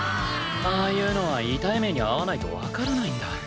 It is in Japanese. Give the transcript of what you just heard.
ああいうのは痛い目に遭わないとわからないんだ。